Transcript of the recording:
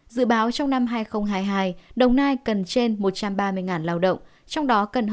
dự báo trong năm hai nghìn hai mươi hai đồng nai cần trên một trăm ba mươi lao động